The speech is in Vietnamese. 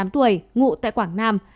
một mươi tám tuổi ngụ tại quảng nam